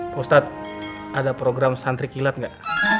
ustadz ada program santri kilat gak